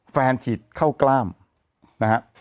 แฟนฉีดเข้ากล้ามนะครับ